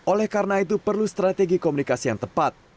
oleh karena itu perlu strategi komunikasi yang tepat